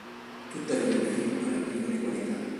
Tuttavia il film non è privo di qualità.